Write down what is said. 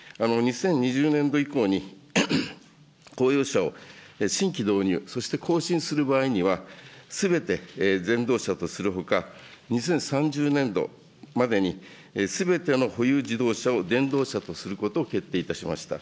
２０２０年度以降に、公用車を新規導入、そして更新する場合には、すべて電動車とするほか、２０３０年度までにすべての保有自動車を電動車とすることを決定いたしました。